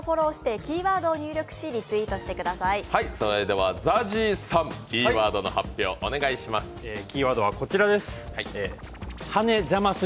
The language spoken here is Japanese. それではＺＡＺＹさん、キーワードの発表をお願いします。